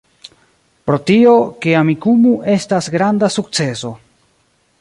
Pro tio, ke Amikumu estas granda sukceso